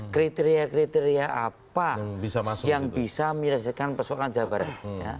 kriteria kriteria apa yang bisa menyelesaikan persoalan jawa barat